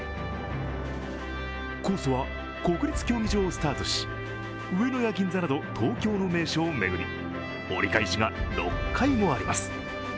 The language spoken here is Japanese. コースは国立競技場をスタートし、上野や銀座など東京の名所を巡り、折り返しが６回もあります。